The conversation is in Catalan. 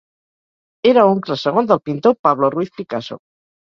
Era oncle segon del pintor Pablo Ruiz Picasso.